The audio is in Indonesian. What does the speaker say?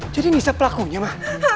jadi nisa pelakunya ma